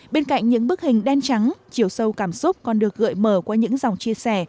bên cạnh những bức hình đen trắng chiều sâu cảm xúc còn được gợi mở qua những dòng chia sẻ